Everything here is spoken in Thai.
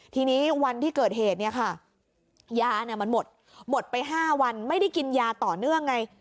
ทีนี้วันที่เกิดเหตุเนี่ยค่ะยาเนี่ยมันหมดหมดไป๕วันไม่ได้กินยาต่อเนื่องไง